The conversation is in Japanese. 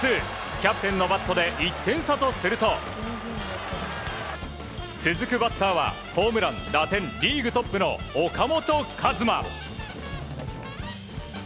キャプテンのバットで１点差とすると続くバッターはホームラン、打点リーグトップの岡本和真。